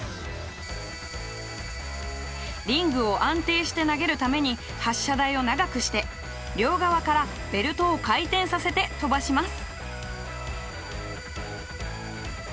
リングを安定して投げるために発射台を長くして両側からベルトを回転させて飛ばします。